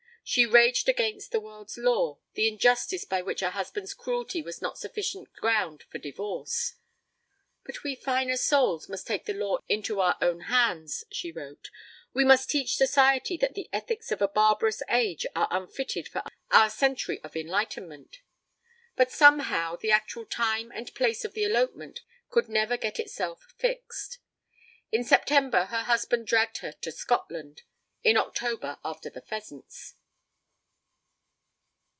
She raged against the world's law, the injustice by which a husband's cruelty was not sufficient ground for divorce. 'But we finer souls must take the law into our own hands,' she wrote. 'We must teach society that the ethics of a barbarous age are unfitted for our century of enlightenment.' But somehow the actual time and place of the elopement could never get itself fixed. In September her husband dragged her to Scotland, in October after the pheasants.